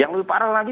yang lebih parah lagi